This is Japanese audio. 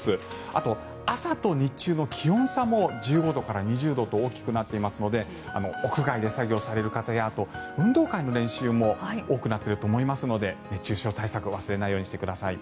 あと朝の日中の気温差も１５度から２０度と大きくなっていますので屋外で作業される方やあとは運動会の練習も多くなっていると思いますので熱中症対策を忘れないようにしてください。